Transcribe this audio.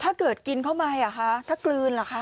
ถ้าเกิดกินเข้าไปอ่ะคะถ้ากลืนหรือคะ